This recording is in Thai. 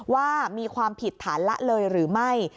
ว่ามีความผิดฐานละเลยหรือไม่